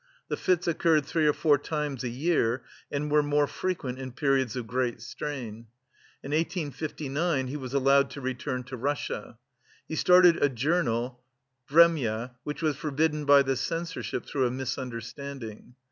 The fits occurred three or four times a year and were more frequent in periods of great strain. In 1859 he was allowed to return to Russia. He started a journal "Vremya," which was forbidden by the Censorship through a misunderstanding.